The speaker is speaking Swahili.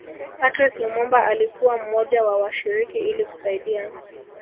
Patrice Lumumba alikuwa mmoja wa washiriki ili kusaidia